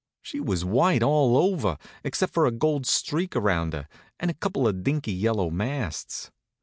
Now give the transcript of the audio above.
She was white all over, except for a gold streak around her, and a couple of dinky yellow masts.